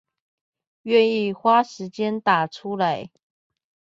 願意花時間打出來